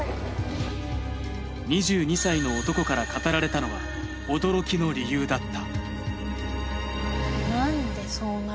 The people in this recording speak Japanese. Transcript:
２２歳の男から語られたのは驚きの理由だった。